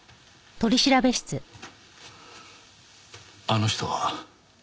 あの人は？